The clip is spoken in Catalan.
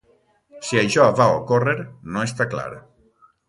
Si això va ocórrer no està clar.